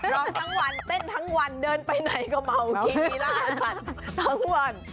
ร้องทั้งวันเต้นทั้งวันเดินไปไหนก็เมากินล่าสัตว์ทั้งวัน